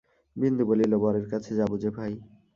বিন্দু বলিল, বরের কাছে যাব যে ভাই!